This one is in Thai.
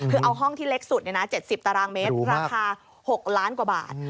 คือเอาห้องที่เล็กสุด๗๐ตารางเมตรราคา๖ล้านกว่าบาท